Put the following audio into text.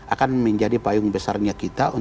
akan menjadi payung besarnya kita